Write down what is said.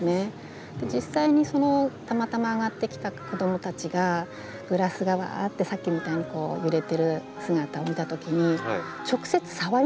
実際にたまたま上がってきた子どもたちがグラスがうわってさっきみたいに揺れてる姿を見たときに直接触りに行くんですね。